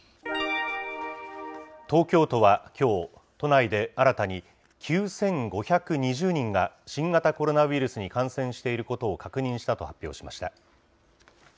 東京都はきょう、都内で新たに９５２０人が新型コロナウイルスに感染していることを確認したと発表しました。